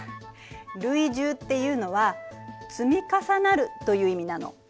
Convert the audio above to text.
累重っていうのは「積み重なる」という意味なの。